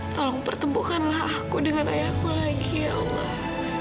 tolong pertempuhkanlah aku dengan ayahku lagi ya allah